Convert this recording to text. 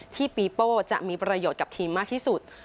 ปีโป้จะมีประโยชน์กับทีมมากที่สุด